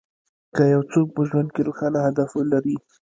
که يو څوک په ژوند کې روښانه هدف ولري.